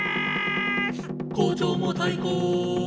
「校長もたいこ」